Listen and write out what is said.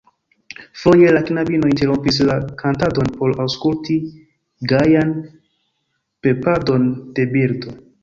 Foje la knabino interrompis la kantadon por aŭskulti gajan pepadon de birdo.